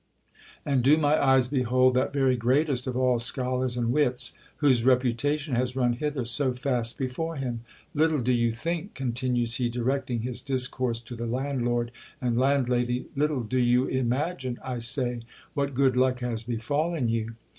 And do my eyes behold that very greatest of all great scholars and wits, whose reputation has run hither so fast before him ? Little do you think, continues he, directing his discourse to the landlord and landlady, little do you imagine, I say, what good luck has befallen you.